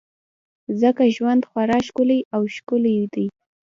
ځکه ژوند خورا ښکلی او ښکلی دی.